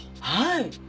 はい。